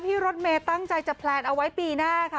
รถเมย์ตั้งใจจะแพลนเอาไว้ปีหน้าค่ะ